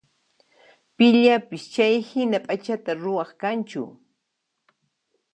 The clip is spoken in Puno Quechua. Pillapis chayhina p'acha ruwaq kanchu?